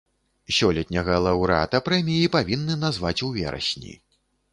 Сёлетняга лаўрэата прэміі павінны назваць у верасні.